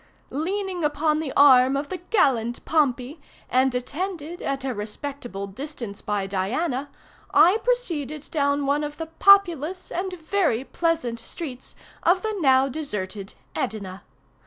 Leaning upon the arm of the gallant Pompey, and attended at a respectable distance by Diana, I proceeded down one of the populous and very pleasant streets of the now deserted Edina.